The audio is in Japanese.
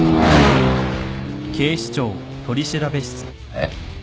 えっ？